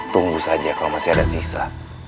tunggu saja kalau masih ada sisa